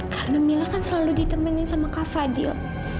karena mila kan selalu ditemenin sama kak fadil